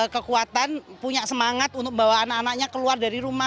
kekuatan punya semangat untuk membawa anak anaknya keluar dari rumah